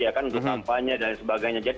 untuk tampannya dan sebagainya